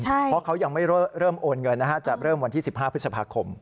เพราะเขายังไม่เริ่มโอนเงินจะเริ่มวันที่๑๕พฤษภาคม